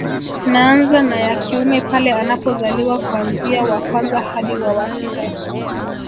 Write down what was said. Naanza na ya kiume pale anapozaliwa kuanzia wa kwanza hadi wa wa sita